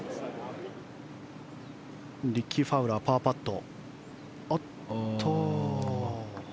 リッキー・ファウラーパーパット。